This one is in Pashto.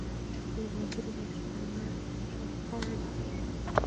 له وزرو به يې شڼهاری پورته شو.